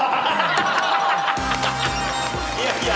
いやいや。